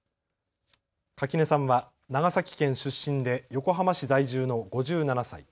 垣根さんは長崎県出身で横浜市在住の５７歳。